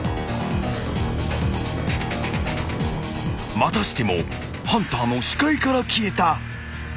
［またしてもハンターの視界から消えた］